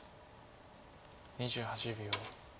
２８秒。